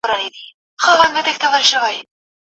للمه د پټــي ورانـوي